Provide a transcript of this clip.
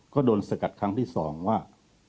ก็โดนสกัดครั้งที่๒ว่า